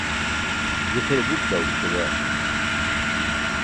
je kʰole buṭ dawruśa baa